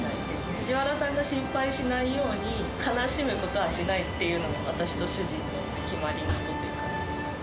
藤原さんが心配しないように、悲しむことはしないっていうのが、私と主人の決まり事というか。